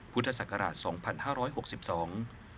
พุทธศักราชสองพันห้าร้อยหกสิบสอง